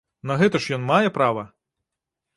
На гэта ж ён мае права!